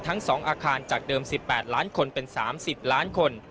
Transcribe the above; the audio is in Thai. ทั้งสองอาคารจากเดิมสิบแปดล้านคนเป็นสามสิบล้านคน